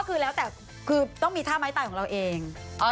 สุดท้ายก็คือต้องมีถ้าไม้ตายของเราเอง